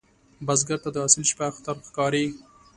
بزګر ته د حاصل شپه اختر ښکاري